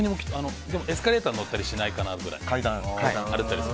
エスカレーターに乗ったりしないかなぐらいです。